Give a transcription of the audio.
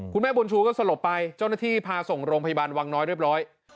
คุณแม่บุญชูก็สลบไปเจ้าหน้าที่พาส่งโรงพยาบาลวังน้อยเรียบร้อย